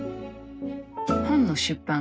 本の出版